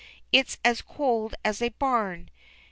It's as cold as a barn.